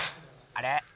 あれ？